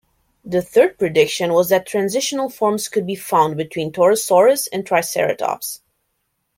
The third prediction was that transitional forms could be found between "Torosaurus" and "Triceratops".